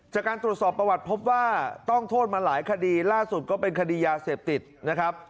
จากการตรวจสอบประวัติพบว่าต้องโทษมาหลายคดีล่าสุดก็เป็นคดียาเสพติดนะครับ